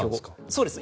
そうです。